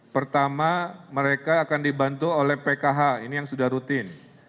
pertama mereka akan dibantu oleh pkh ini yang sudah rutin